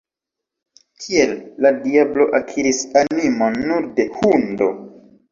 Tiel la diablo akiris animon nur de hundo.